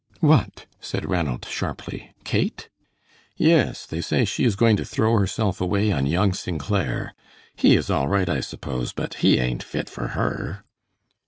"What!" said Ranald, sharply, "Kate?" "Yes, they say she is going to throw herself away on young St. Clair. He is all right, I suppose, but he ain't fit for her."